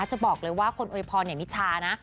จะบอกเลยว่าคนโวยพรอย่างนิชานะ